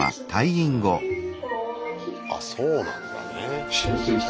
あそうなんだね。